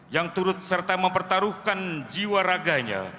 yang turut serta mempertaruhkan jiwa raganya